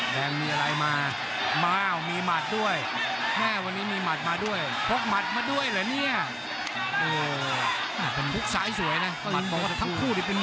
เกมตัดกล่องพวกเขาทั้งคู่ทั้งคู่เลย